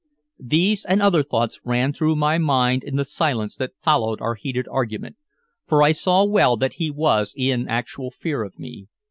These and other thoughts ran through my mind in the silence that followed our heated argument, for I saw well that he was in actual fear of me.